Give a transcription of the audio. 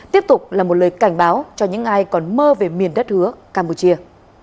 tiếp tục là một lời cảnh báo cho những ai còn mơ về miền đất hứa campuchia